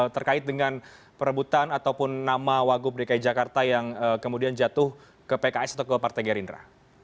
terkait dengan perebutan ataupun nama wagub dki jakarta yang kemudian jatuh ke pks atau ke partai gerindra